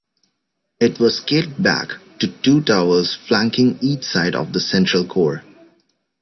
It was scaled back to two towers flanking each side of the central core.